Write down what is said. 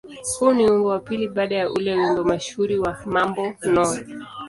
Huu ni wimbo wa pili baada ya ule wimbo mashuhuri wa "Mambo No.